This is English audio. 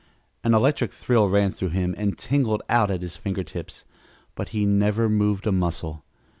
An electric thrill ran through him and tingled out at his fingertips, but he never moved a muscle.